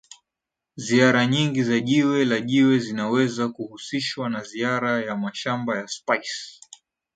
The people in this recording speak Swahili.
Ziara nyingi za jiwe la jiwe zinaweza kuhusishwa na ziara ya mashamba ya Spice